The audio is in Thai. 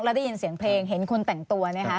แล้วได้ยินเสียงเพลงเห็นคนแต่งตัวไหมคะ